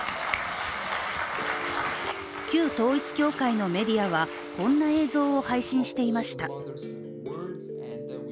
旧統一教会のメディアはこんな映像を配信していました。